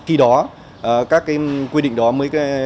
khi đó các quy định đó sẽ được phát triển